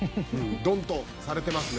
「ドンっとされてますね」